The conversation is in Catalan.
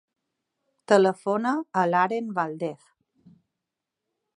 Telefona a l'Aren Valdez.